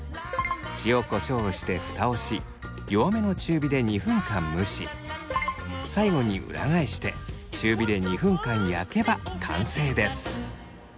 塩こしょうをしてふたをし弱めの中火で２分間蒸し最後に裏返して中火で２分間焼けば完成です。